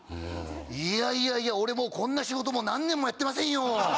いやいや俺もうこんな仕事何年もやってませんよ。